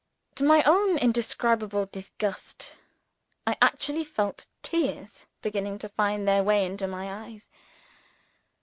To my own indescribable disgust, I actually felt tears beginning to find their way into my eyes!